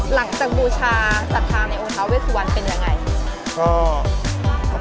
หลังจากบูชาศัตรูทางในโอเท้าเวสวันเป็นยังไง